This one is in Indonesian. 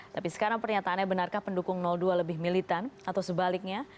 tapi sekarang pernyataannya benarkah pendukung dua lebih militan atau sebaliknya